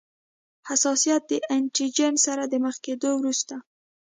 حساسیت د انټي جېن سره د مخ کیدو وروسته.